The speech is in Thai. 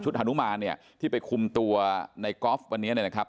ฮานุมานเนี่ยที่ไปคุมตัวในกอล์ฟวันนี้เนี่ยนะครับ